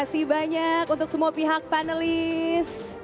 terima kasih banyak untuk semua pihak panelis